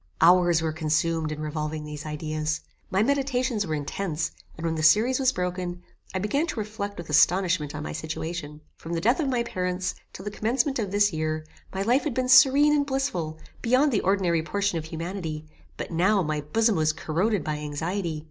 Hours were consumed in revolving these ideas. My meditations were intense; and, when the series was broken, I began to reflect with astonishment on my situation. From the death of my parents, till the commencement of this year, my life had been serene and blissful, beyond the ordinary portion of humanity; but, now, my bosom was corroded by anxiety.